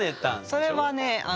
それはね